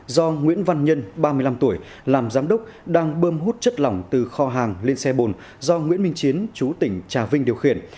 do nguyễn văn nhân ba mươi năm tuổi làm giám đốc đang bơm hút chất lỏng từ kho hàng lên xe bồn do nguyễn minh chiến chú tỉnh trà vinh điều khiển